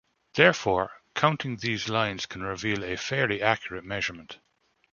Therefore, counting these lines can reveal a fairly accurate measurement.